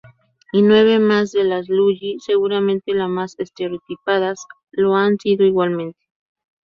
Y nueve más de las Lully, seguramente la más estereotipadas, lo han sido igualmente.